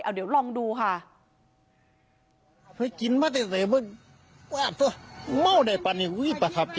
เดี๋ยวลองดูค่ะ